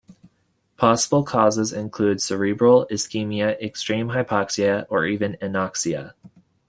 Possible causes include cerebral ischemia, extreme hypoxia or even anoxia.